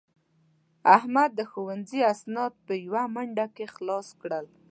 احمد د ښوونځي اسناد په یوه منډه کې خلاص کړل.